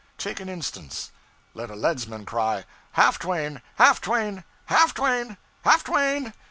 Take an instance. Let a leadsman cry, 'Half twain! half twain! half twain! half twain!